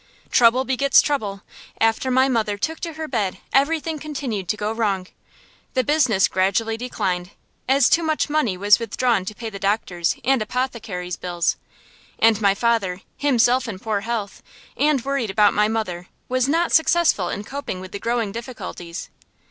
Trouble begets trouble. After my mother took to her bed everything continued to go wrong. The business gradually declined, as too much money was withdrawn to pay the doctors' and apothecaries' bills; and my father, himself in poor health, and worried about my mother, was not successful in coping with the growing difficulties.